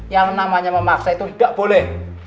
yang namanya memaksa itu tidak boleh